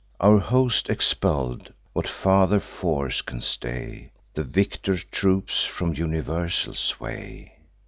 Our host expell'd, what farther force can stay The victor troops from universal sway?